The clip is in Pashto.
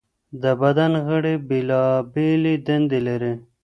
د بدن غړي بېلابېلې دندې لري.